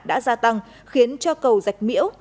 đã gia tăng khiến cho cầu giạch miễu